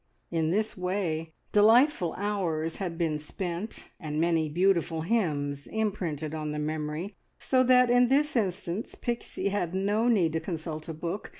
In this way delightful hours had been spent, and many beautiful hymns imprinted on the memory, so that in this instance Pixie had no need to consult a book.